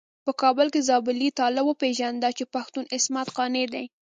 په کابل کې زابلي طالب وپيژانده چې پښتون عصمت قانع دی.